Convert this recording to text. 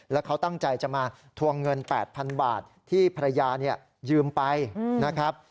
แล้วเขาตั้งใจจะมาทวงเงิน๘๐๐๐บาทที่ภรรยายืมไปนะครับ